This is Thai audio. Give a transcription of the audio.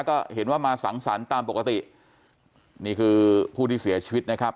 ก็เห็นว่ามาสังสรรค์ตามปกตินี่คือผู้ที่เสียชีวิตนะครับ